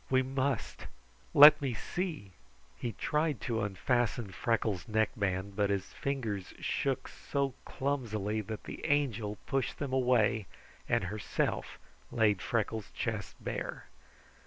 We must! Let me see!" He tried to unfasten Freckles' neckband, but his fingers shook so clumsily that the Angel pushed them away and herself laid Freckles' chest bare.